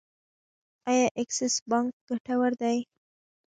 آیا اکسس بانک ګټور دی؟